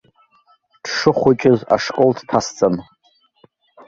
Дшыхәыҷыз ашкол дҭасҵан.